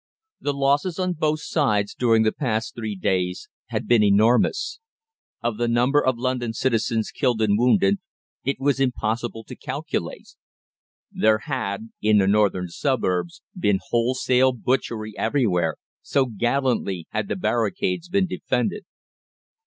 The losses on both sides during the past three days had been enormous; of the number of London citizens killed and wounded it was impossible to calculate. There had, in the northern suburbs, been wholesale butchery everywhere, so gallantly had the barricades been defended.